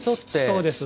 そうです。